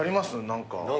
何か。